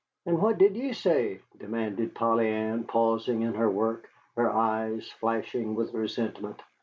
"An' what did ye say?" demanded Polly Ann, pausing in her work, her eyes flashing with resentment.